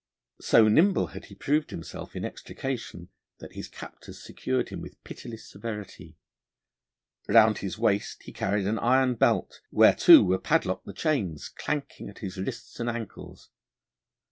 So nimble had he proved himself in extrication, that his captors secured him with pitiless severity; round his waist he carried an iron belt, whereto were padlocked the chains, clanking at his wrists and ankles.